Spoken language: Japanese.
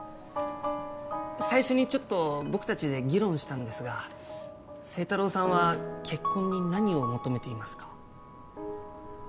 最初にちょっと僕たちで議論したんですが清太郎さんは結婚に何を求めていますか？